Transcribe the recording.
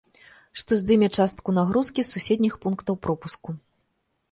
Што здыме частку нагрузкі з суседніх пунктаў пропуску.